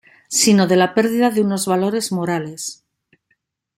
sino de la pérdida de unos valores morales